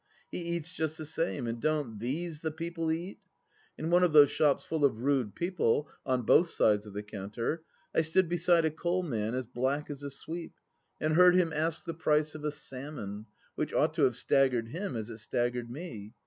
He eats just the same, and don't these the people eat ? In one of those shops full of rude people — on both sides of the counter — I stood beside a coal man as black as a sweep, and heard him ask the price of a salmon, which ought to have staggered him as it staggered me.